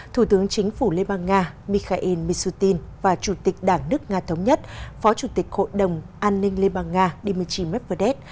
thủ tướng chính phủ liên bang nga mikhail mishutin và chủ tịch đảng nước nga thống nhất phó chủ tịch hội đồng an ninh liên bang nga dmitry medvedev